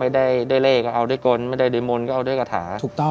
ไม่ได้ด้วยเลขก็เอาด้วยกลไม่ได้ด้วยมนตร์ก็เอาด้วยกระถา